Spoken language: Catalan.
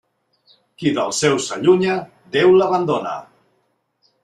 Qui dels seus s'allunya, Déu l'abandona.